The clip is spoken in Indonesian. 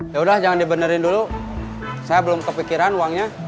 ya udah jangan dibenerin dulu saya belum kepikiran uangnya